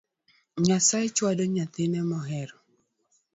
Nyasaye chwado nyathine mohero